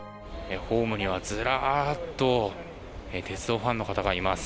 ホームにはずらっと鉄道ファンの方がいます。